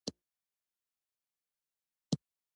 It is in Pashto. زه د پاییز پاڼې خوښوم.